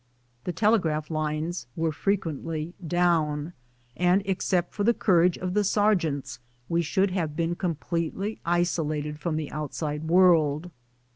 The telegraph lines were frequently down, and except for the courage of the sergeants we should have been completely isolated from the outside world.